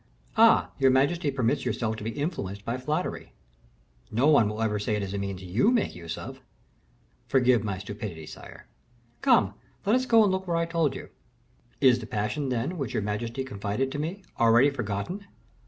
"Ah! your majesty permits yourself to be influenced by flattery." "No one will ever say it is a means you make use of." "Forgive my stupidity, sire." "Come; let us go and look where I told you." "Is the passion, then, which your majesty confided to me, already forgotten?"